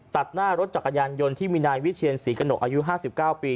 ตัดหน้ารถจักรยานยนต์ที่มีนายวิเชียนศรีกระหนกอายุ๕๙ปี